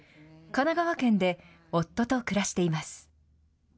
神奈川県で夫と暮らしています。